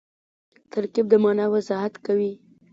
ترکیب د مانا وضاحت کوي.